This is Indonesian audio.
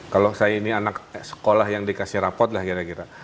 kalau saya ini anak sekolah yang dikasih rapot lah kira kira